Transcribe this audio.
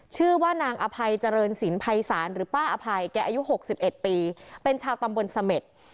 ชื่อว่านางอภัยเจริญสินภัยศาลหรือป้าอภัยแกอายุ๖๑ปีเป็นชาวตำบลเสม็ด